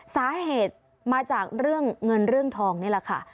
สาเหตุมาจากเรื่องเงินเรื่องทองนี่แหละค่ะ